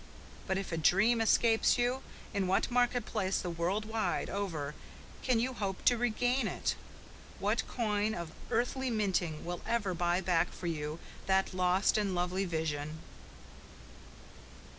But if a dream escape you, in what market place the wide world over can you hope to regain it? What coin of earthly minting will ever buy back for you that lost and lovely vision?